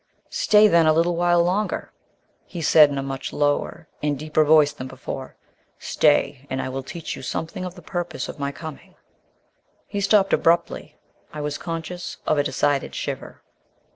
"Stay, then, a little while longer," he said in a much lower and deeper voice than before; "stay, and I will teach you something of the purpose of my coming." He stopped abruptly. I was conscious of a decided shiver.